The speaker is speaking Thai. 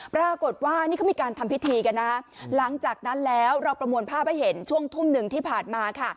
ปรากฏว่านี่เขามีการทำพิธีกันนะคะหลังจากนั้นแล้วเราประมวลภาพให้เห็นช่วงทุ่มหนึ่งที่ผ่านมาค่ะ